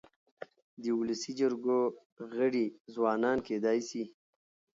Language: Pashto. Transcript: د ولسي جرګو غړي ځوانان کيدای سي.